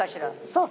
そう。